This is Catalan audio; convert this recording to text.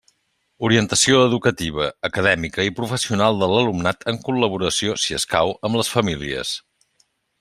Orientació educativa, acadèmica i professional de l'alumnat en col·laboració, si escau, amb les famílies.